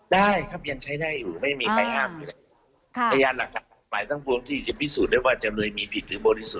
ได้ครับยังใช้ได้อยู่ไม่มีใครอ้ากอยู่